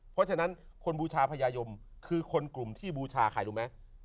เพราะฉะนั้นคนบูชาพญายมคือคนกลุ่มที่บูชาใครรู้ไหม